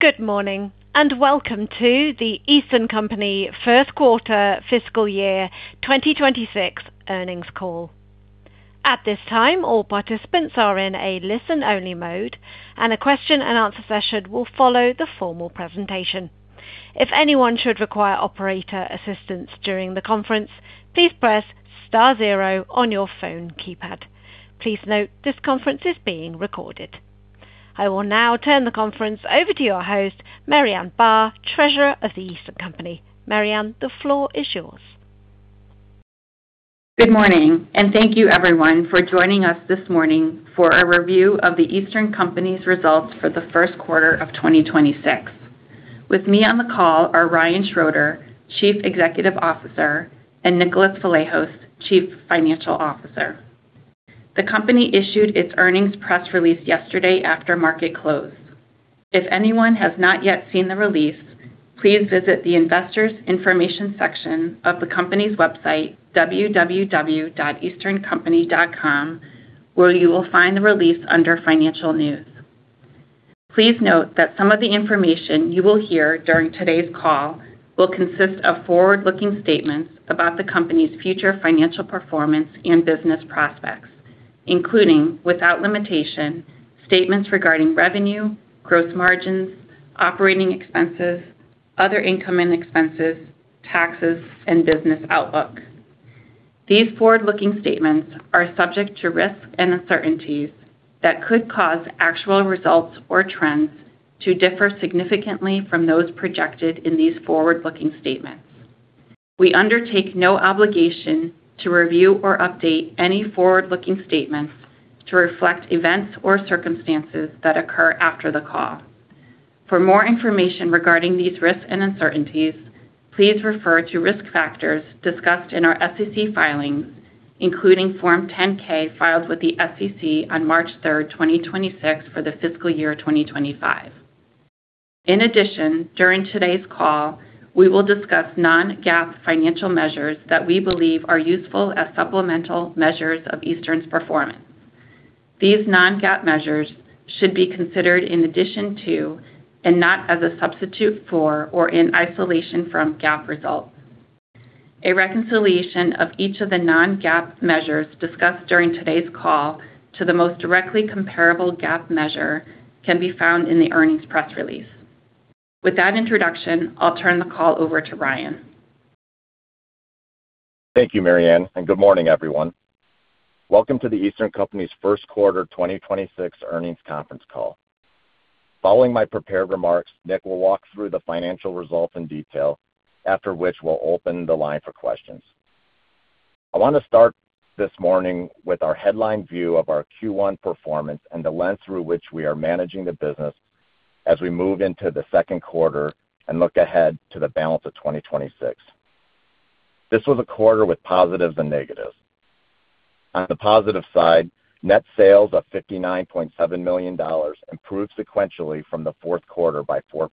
Good morning, welcome to The Eastern Company first quarter fiscal year 2026 earnings call. At this time, all participants are in a listen-only mode, and a question-and-answer session will follow the formal presentation. If anyone should require operator assistance during the conference, please press star zero on your phone keypad. Please note this conference is being recorded. I will now turn the conference over to your host, Marianne Barr, Treasurer of The Eastern Company. Marianne, the floor is yours. Good morning, and thank you everyone for joining us this morning for a review of The Eastern Company's results for the first quarter of 2026. With me on the call are Ryan Schroeder, Chief Executive Officer, and Nicholas Vlahos, Chief Financial Officer. The company issued its earnings press release yesterday after market close. If anyone has not yet seen the release, please visit the investor's information section of the company's website, www.easterncompany.com, where you will find the release under financial news. Please note that some of the information you will hear during today's call will consist of forward-looking statements about the company's future financial performance and business prospects, including, without limitation, statements regarding revenue, gross margins, operating expenses, other income and expenses, taxes and business outlook. These forward-looking statements are subject to risks and uncertainties that could cause actual results or trends to differ significantly from those projected in these forward-looking statements. We undertake no obligation to review or update any forward-looking statements to reflect events or circumstances that occur after the call. For more information regarding these risks and uncertainties, please refer to risk factors discussed in our SEC filings, including Form 10-K filed with the SEC on March 3rd, 2026 for the fiscal year 2025. In addition, during today's call, we will discuss non-GAAP financial measures that we believe are useful as supplemental measures of Eastern's performance. These non-GAAP measures should be considered in addition to, and not as a substitute for or in isolation from GAAP results. A reconciliation of each of the non-GAAP measures discussed during today's call to the most directly comparable GAAP measure can be found in the earnings press release. With that introduction, I'll turn the call over to Ryan. Thank you, Marianne, and good morning, everyone. Welcome to The Eastern Company's first quarter 2026 earnings conference call. Following my prepared remarks, Nick will walk through the financial results in detail, after which we'll open the line for questions. I want to start this morning with our headline view of our Q1 performance and the lens through which we are managing the business as we move into the second quarter and look ahead to the balance of 2026. This was a quarter with positives and negatives. On the positive side, net sales of $59.7 million improved sequentially from the fourth quarter by 4%.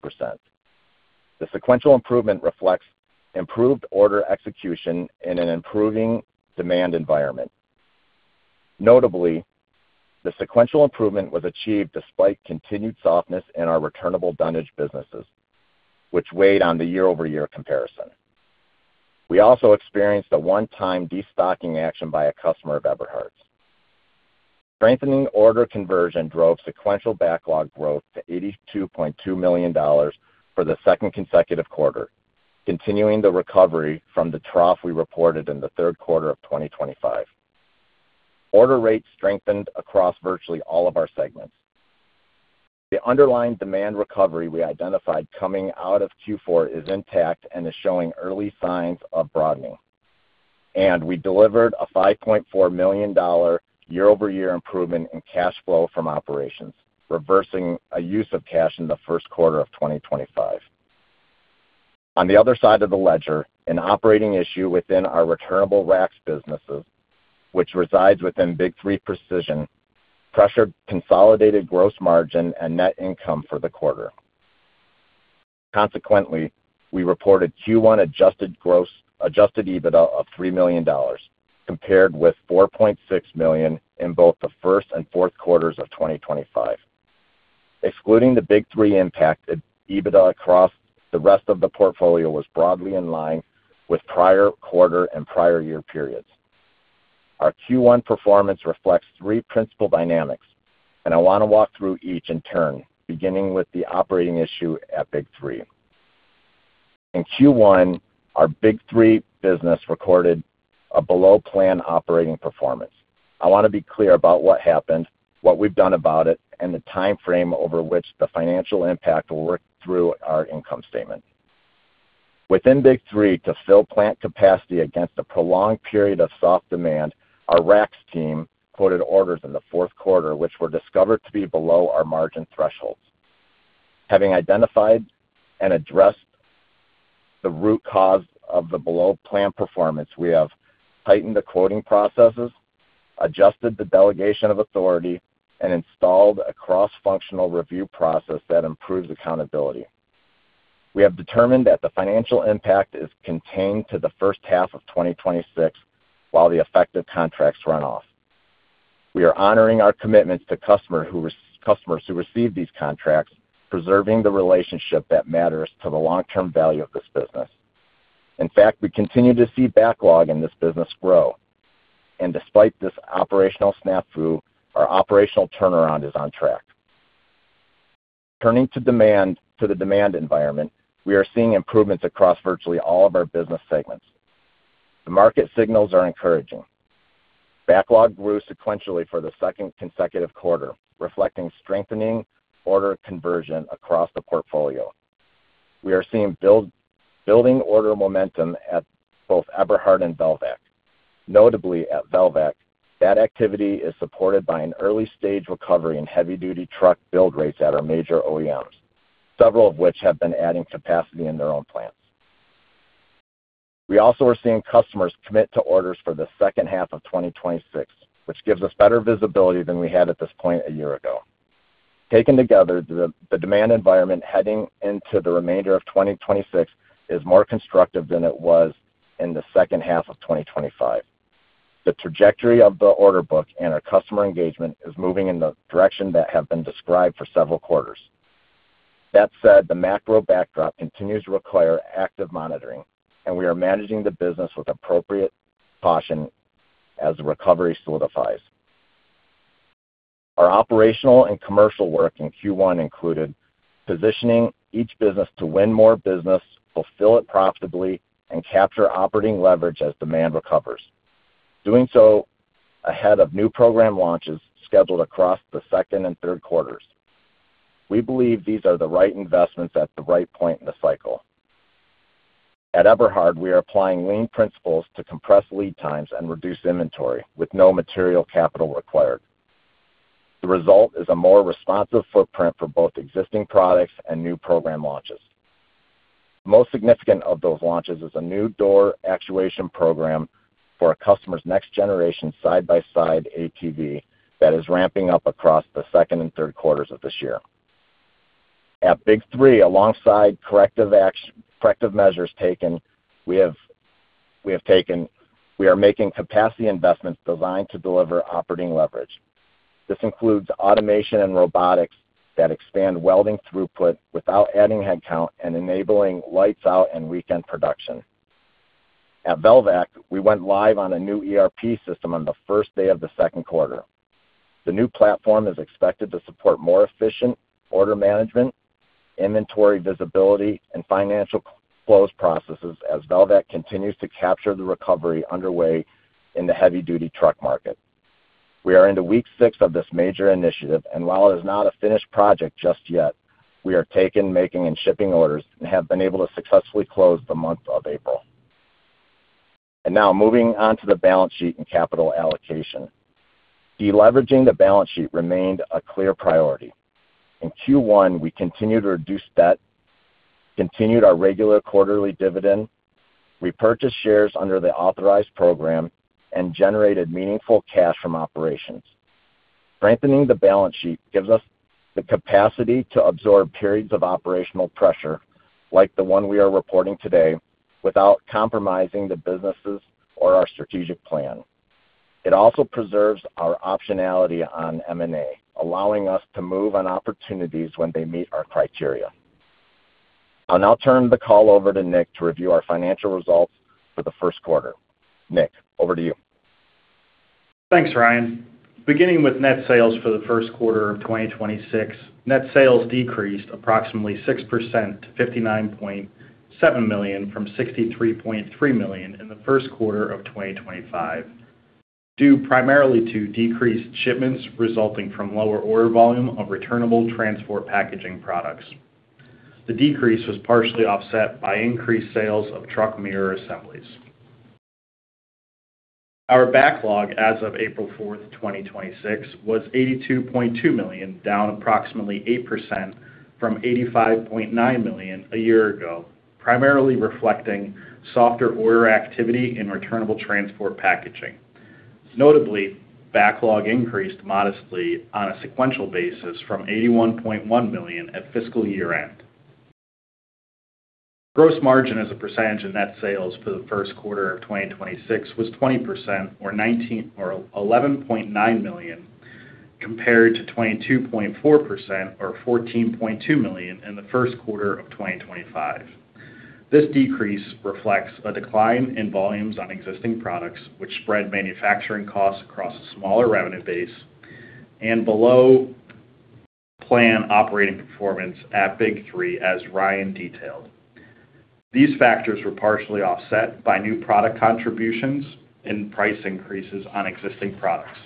The sequential improvement reflects improved order execution in an improving demand environment. Notably, the sequential improvement was achieved despite continued softness in our returnable dunnage businesses, which weighed on the year-over-year comparison. We also experienced a one-time destocking action by a customer of Eberhard. Strengthening order conversion drove sequential backlog growth to $82.2 million for the second consecutive quarter, continuing the recovery from the trough we reported in the third quarter of 2025. Order rates strengthened across virtually all of our segments. The underlying demand recovery we identified coming out of Q4 is intact and is showing early signs of broadening. We delivered a $5.4 million year-over-year improvement in cash flow from operations, reversing a use of cash in the first quarter of 2025. On the other side of the ledger, an operating issue within our returnable racks businesses, which resides within Big 3 Precision, pressured consolidated gross margin and net income for the quarter. Consequently, we reported Q1 adjusted EBITDA of $3 million compared with $4.6 million in both the first and fourth quarters of 2025. Excluding the Big 3 impact, EBITDA across the rest of the portfolio was broadly in line with prior quarter and prior year periods. Our Q1 performance reflects three principal dynamics. I want to walk through each in turn, beginning with the operating issue at Big 3. In Q1, our Big 3 business recorded a below plan operating performance. I want to be clear about what happened, what we've done about it, and the timeframe over which the financial impact will work through our income statement. Within Big 3, to fill plant capacity against a prolonged period of soft demand, our racks team quoted orders in the fourth quarter, which were discovered to be below our margin thresholds. Having identified and addressed the root cause of the below plan performance, we have tightened the quoting processes, adjusted the delegation of authority, and installed a cross-functional review process that improves accountability. We have determined that the financial impact is contained to the first half of 2026 while the affected contracts run off. We are honoring our commitments to customers who received these contracts, preserving the relationship that matters to the long-term value of this business. In fact, we continue to see backlog in this business grow. Despite this operational snafu, our operational turnaround is on track. Turning to the demand environment, we are seeing improvements across virtually all of our business segments. The market signals are encouraging. Backlog grew sequentially for the second consecutive quarter, reflecting strengthening order conversion across the portfolio. We are seeing building order momentum at both Eberhard and Velvac. Notably at Velvac, that activity is supported by an early-stage recovery in heavy-duty truck build rates at our major OEMs, several of which have been adding capacity in their own plants. We also are seeing customers commit to orders for the second half of 2026, which gives us better visibility than we had at this point a year ago. Taken together, the demand environment heading into the remainder of 2026 is more constructive than it was in the second half of 2025. The trajectory of the order book and our customer engagement is moving in the direction that have been described for several quarters. That said, the macro backdrop continues to require active monitoring, and we are managing the business with appropriate caution as the recovery solidifies. Our operational and commercial work in Q1 included positioning each business to win more business, fulfill it profitably, and capture operating leverage as demand recovers. Doing so ahead of new program launches scheduled across the second and third quarters. We believe these are the right investments at the right point in the cycle. At Eberhard, we are applying lean principles to compress lead times and reduce inventory with no material capital required. The result is a more responsive footprint for both existing products and new program launches. Most significant of those launches is a new door actuation program for a customer's next generation side-by-side ATV that is ramping up across the second and third quarters of this year. At Big 3, alongside corrective measures taken, we are making capacity investments designed to deliver operating leverage. This includes automation and robotics that expand welding throughput without adding headcount and enabling lights out and weekend production. At Velvac, we went live on a new ERP system on the first day of the second quarter. The new platform is expected to support more efficient order management, inventory visibility, and financial close processes as Velvac continues to capture the recovery underway in the heavy-duty truck market. We are into week six of this major initiative, and while it is not a finished project just yet, we are taking, making, and shipping orders and have been able to successfully close the month of April. Now moving on to the balance sheet and capital allocation. Deleveraging the balance sheet remained a clear priority. In Q1, we continued to reduce debt, continued our regular quarterly dividend, repurchased shares under the authorized program, and generated meaningful cash from operations. Strengthening the balance sheet gives us the capacity to absorb periods of operational pressure, like the one we are reporting today, without compromising the businesses or our strategic plan. It also preserves our optionality on M&A, allowing us to move on opportunities when they meet our criteria. I'll now turn the call over to Nick to review our financial results for the first quarter. Nick, over to you. Thanks, Ryan. Beginning with net sales for the first quarter of 2026, net sales decreased approximately 6% to $59.7 million from $63.3 million in the first quarter of 2025, due primarily to decreased shipments resulting from lower order volume of returnable transport packaging products. The decrease was partially offset by increased sales of truck mirror assemblies. Our backlog as of April 4, 2026 was $82.2 million, down approximately 8% from $85.9 million a year ago, primarily reflecting softer order activity in returnable transport packaging. Notably, backlog increased modestly on a sequential basis from $81.1 million at fiscal year-end. Gross margin as a percentage of net sales for the first quarter of 2026 was 20% or $11.9 million, compared to 22.4% or $14.2 million in the first quarter of 2025. This decrease reflects a decline in volumes on existing products, which spread manufacturing costs across a smaller revenue base and below plan operating performance at Big 3, as Ryan detailed. These factors were partially offset by new product contributions and price increases on existing products.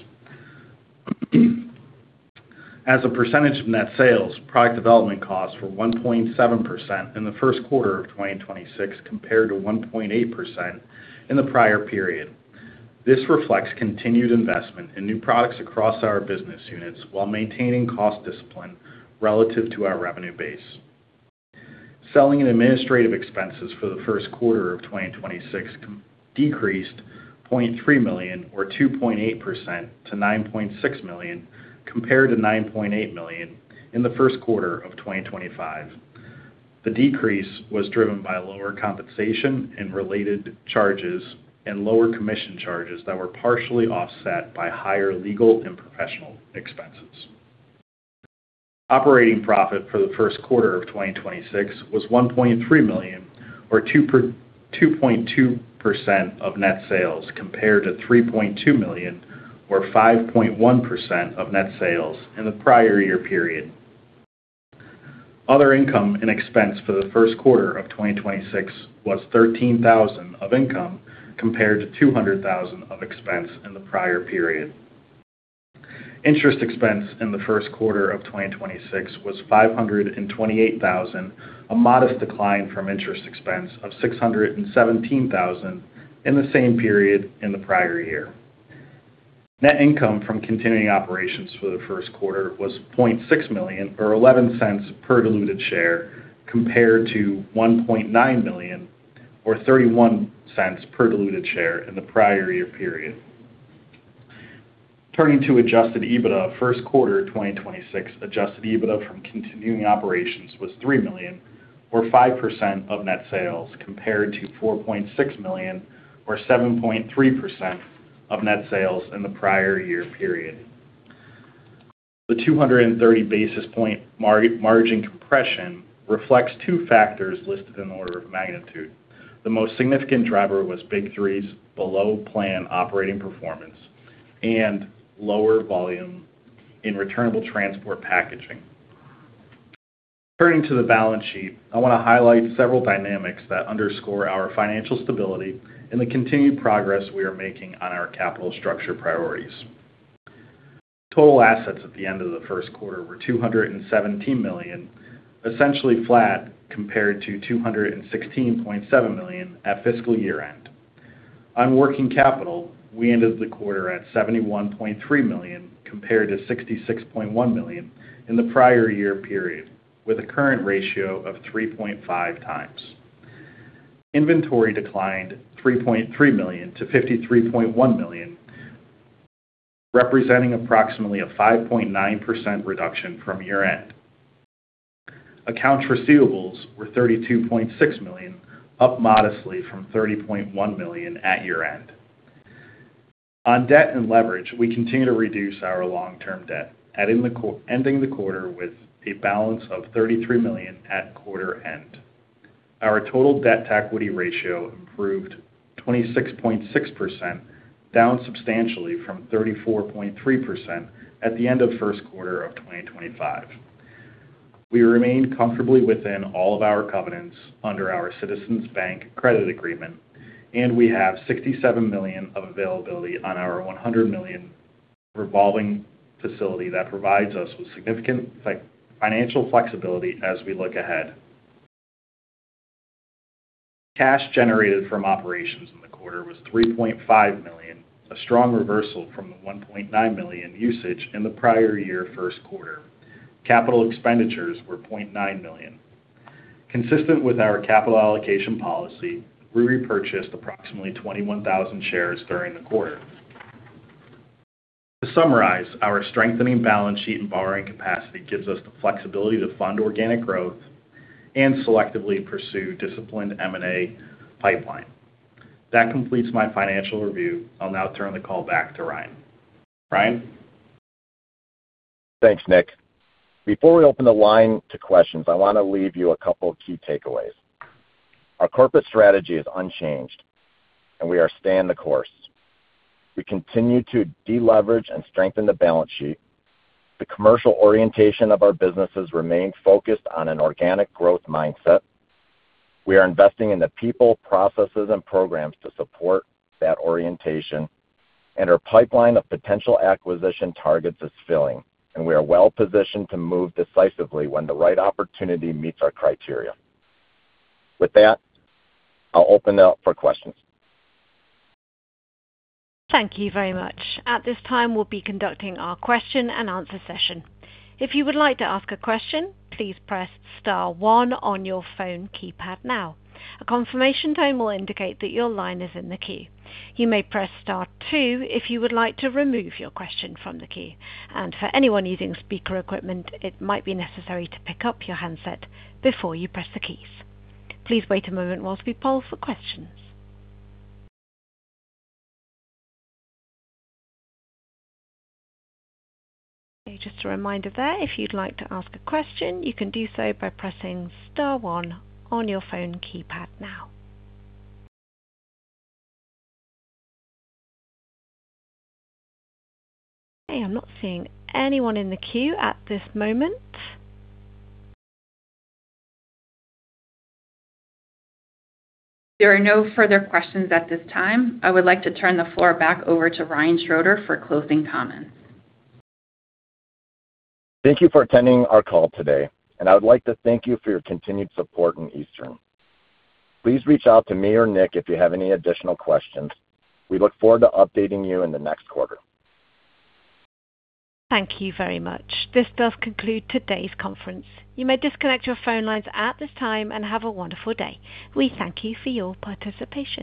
As a percentage of net sales, product development costs were 1.7% in the first quarter of 2026, compared to 1.8% in the prior period. This reflects continued investment in new products across our business units while maintaining cost discipline relative to our revenue base. Selling and administrative expenses for the first quarter of 2026 decreased $0.3 million or 2.8% to $9.6 million compared to $9.8 million in the first quarter of 2025. The decrease was driven by lower compensation and related charges and lower commission charges that were partially offset by higher legal and professional expenses. Operating profit for the first quarter of 2026 was $1.3 million, or 2.2% of net sales, compared to $3.2 million or 5.1% of net sales in the prior year period. Other income and expense for the first quarter of 2026 was $13,000 of income, compared to $200,000 of expense in the prior period. Interest expense in the first quarter of 2026 was $528,000, a modest decline from interest expense of $617,000 in the same period in the prior year. Net income from continuing operations for the first quarter was $0.6 million, or $0.11 per diluted share, compared to $1.9 million or $0.31 per diluted share in the prior year period. Turning to adjusted EBITDA, first quarter 2026 adjusted EBITDA from continuing operations was $3 million, or 5% of net sales, compared to $4.6 million or 7.3% of net sales in the prior year period. The 230 basis point margin compression reflects two factors listed in order of magnitude. The most significant driver was Big 3's below-plan operating performance and lower volume in returnable transport packaging. Turning to the balance sheet, I want to highlight several dynamics that underscore our financial stability and the continued progress we are making on our capital structure priorities. Total assets at the end of the first quarter were $217 million, essentially flat compared to $216.7 million at fiscal year-end. On working capital, we ended the quarter at $71.3 million, compared to $66.1 million in the prior year period, with a current ratio of 3.5x. Inventory declined $3.3 million to $53.1 million, representing approximately a 5.9% reduction from year-end. Accounts receivables were $32.6 million, up modestly from $30.1 million at year-end. On debt and leverage, we continue to reduce our long-term debt, ending the quarter with a balance of $33 million at quarter-end. Our total debt-to-equity ratio improved 26.6%, down substantially from 34.3% at the end of first quarter of 2025. We remain comfortably within all of our covenants under our Citizens Bank credit agreement, we have $67 million of availability on our $100 million revolving facility that provides us with significant financial flexibility as we look ahead. Cash generated from operations in the quarter was $3.5 million, a strong reversal from the $1.9 million usage in the prior year first quarter. Capital expenditures were $0.9 million. Consistent with our capital allocation policy, we repurchased approximately 21,000 shares during the quarter. To summarize, our strengthening balance sheet and borrowing capacity gives us the flexibility to fund organic growth and selectively pursue disciplined M&A pipeline. That completes my financial review. I'll now turn the call back to Ryan. Ryan? Thanks, Nick. Before we open the line to questions, I want to leave you a couple of key takeaways. Our corporate strategy is unchanged, and we are staying the course. We continue to deleverage and strengthen the balance sheet. The commercial orientation of our businesses remains focused on an organic growth mindset. We are investing in the people, processes, and programs to support that orientation. Our pipeline of potential acquisition targets is filling, and we are well-positioned to move decisively when the right opportunity meets our criteria. With that, I'll open it up for questions. Thank you very much. At this time, we'll be conducting our question and answer session. If you would like to ask a question, please press star one on your phone keypad now. A confirmation tone will indicate that your line is in the queue. You may press star two if you would like to remove your question from the queue. For anyone using speaker equipment, it might be necessary to pick up your handset before you press the keys. Please wait a moment while we poll for questions. Okay, just a reminder there, if you'd like to ask a question, you can do so by pressing star one on your phone keypad now. Okay, I'm not seeing anyone in the queue at this moment. There are no further questions at this time. I would like to turn the floor back over to Ryan Schroeder for closing comments. Thank you for attending our call today. I would like to thank you for your continued support in Eastern. Please reach out to me or Nick if you have any additional questions. We look forward to updating you in the next quarter. Thank you very much. This does conclude today's conference. You may disconnect your phone lines at this time, and have a wonderful day. We thank you for your participation.